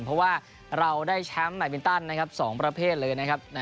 เพราะว่าเราได้แชมป์ในตั้นสองประเภทเลย